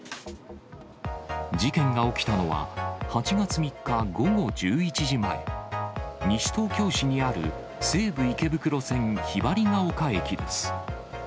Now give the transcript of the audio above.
事件が起きたのは、８月３日午後１１時前、西東京市にある西武池袋線ひばりヶ丘駅です。